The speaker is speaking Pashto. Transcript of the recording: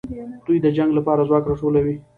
دوی د جنګ لپاره ځواک راټولوي.